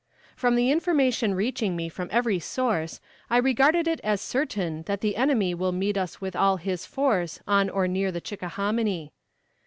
_ "From the information reaching me from every source, I regard it as certain that the enemy will meet us with all his force on or near the Chickahominy.